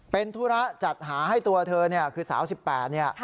เป็นธุระจัดหาให้ตัวเธอเนี่ยคือสาว๑๘เนี่ย